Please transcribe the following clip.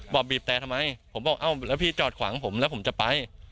บีบแต่ทำไมผมบอกเอ้าแล้วพี่จอดขวางผมแล้วผมจะไป